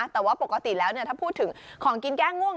แต่ว่าปกติแล้วถ้าพูดถึงของกินแก้ง่วง